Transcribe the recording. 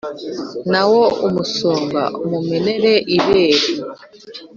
na wo umusonga umumene ibere :